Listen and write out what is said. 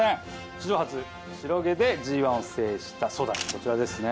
史上初白毛でＧⅠを制したソダシこちらですね